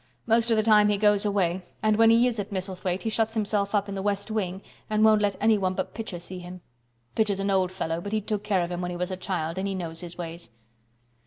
Most of the time he goes away, and when he is at Misselthwaite he shuts himself up in the West Wing and won't let anyone but Pitcher see him. Pitcher's an old fellow, but he took care of him when he was a child and he knows his ways."